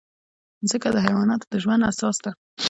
مځکه د حیواناتو د ژوند اساس ده.